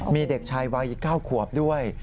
มีเด็กชายวัย๙ขวบด้วย